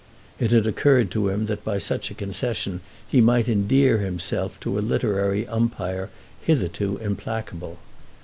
It had occurred to him that by such a concession he might endear himself to a literary umpire hitherto implacable.